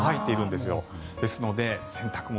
ですので、洗濯物